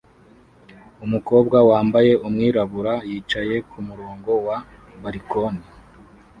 Umukobwa wambaye umwirabura yicaye kumurongo wa balkoni